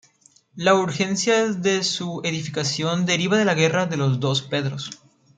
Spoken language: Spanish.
La urgencia de su edificación derivaba de la Guerra de los dos Pedros.